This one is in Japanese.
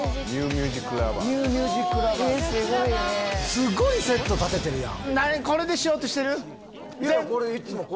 すごいセット立ててるやん。